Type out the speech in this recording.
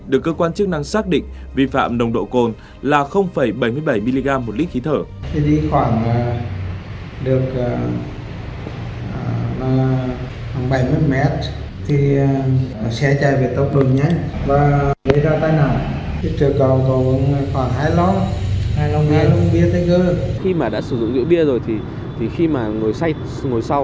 được cơ quan chức năng xác định vi phạm nồng độ cồn là bảy mươi bảy mg một lít khí thở